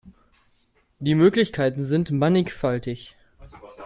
Die Möglichkeiten sind mannigfaltig.